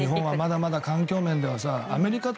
まだまだ日本は環境面ではさ。